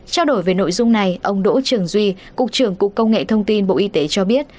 trao đổi về nội dung này ông đỗ trường duy cục trưởng cục công nghệ thông tin bộ y tế cho biết